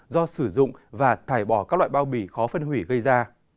do sử dụng và thải bỏ các loại bao bì khó phân hủy gây ra